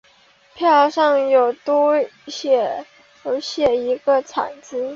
票上有写一个惨字